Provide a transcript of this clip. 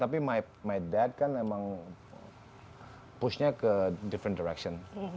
tapi ayah saya kan memang memusuhkan ke arah yang berbeda